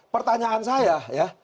pertanyaan saya ya